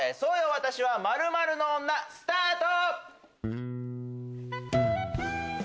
私は○○の女スタート！